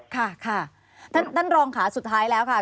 ท่านรองขาสุดท้ายแล้วค่ะ